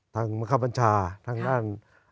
ทางมคบบัญชาทางด้าน